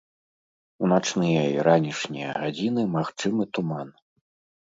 У начныя і ранішнія гадзіны магчымы туман.